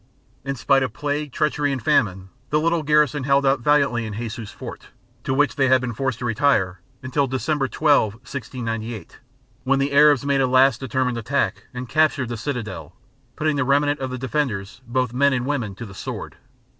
In spite of plague, treachery and famine, the little garrison held out valiantly in Jesus Fort, to which they had been forced to retire, until December 12, 1698, when the Arabs made a last determined attack and captured the citadel, putting the remnant of the defenders, both men and women, to the sword.